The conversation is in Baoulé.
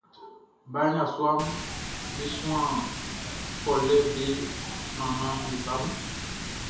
Ba yasuaʼm be suan kolɛ be nannanʼm be sa nun.